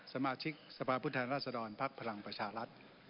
สมาชิกสภาพุทธรรษฎรภักดิ์พลังประชารัฐ